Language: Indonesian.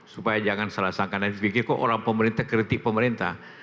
supaya jangan salah sangka dan pikir kok orang pemerintah kritik pemerintah